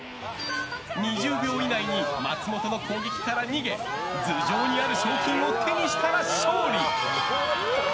２０秒以内に松本の攻撃から逃げ頭上にある賞金を手にしたら勝利。